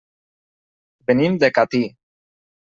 Venim de Catí.